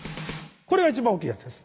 これが一番大きいやつです。